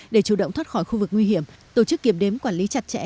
để chủ động thoát khỏi khu vực nguy hiểm tổ chức kiểm đếm quản lý chặt chẽ